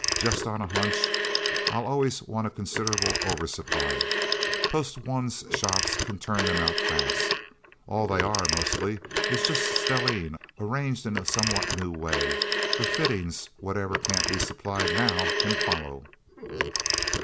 Just on a hunch, I'll always want a considerable oversupply. Post One's shops can turn them out fast. All they are, mostly, is just stellene, arranged in a somewhat new way. The fittings whatever can't be supplied now, can follow."